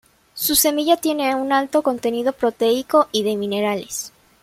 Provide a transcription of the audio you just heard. Su semilla tiene un alto contenido proteico y de minerales.